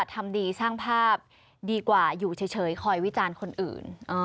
ทำดีสร้างภาพดีกว่าอยู่เฉยคอยวิจารณ์คนอื่น